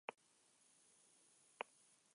La ópera mezcla diálogo hablado y números musicales.